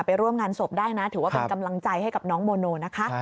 ร่วมงานศพได้นะถือว่าเป็นกำลังใจให้กับน้องโมโนนะคะ